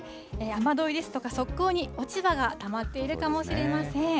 雨どいですとか、側溝に落ち葉がたまっているかもしれません。